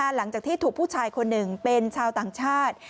หลังจากที่ถูกผู้ชายคนหนึ่งเป็นชาวต่างชาติ